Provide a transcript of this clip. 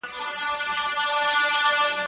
زه هره ورځ ليکنې کوم.